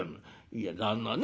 「いや旦那ね